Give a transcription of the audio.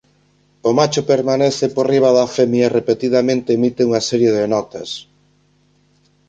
O macho permanece por riba da femia e repetidamente emite unha serie de notas.